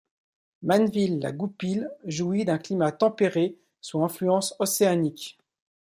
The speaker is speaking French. Manneville-la-Goupil jouit d'un climat tempéré sous influence océanique.